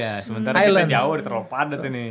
ya sementara kita jauh terlalu padat ini